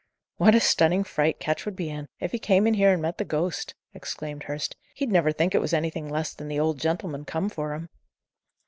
"What a stunning fright Ketch would be in, if he came in here and met the ghost!" exclaimed Hurst. "He'd never think it was anything less than the Old Gentleman come for him."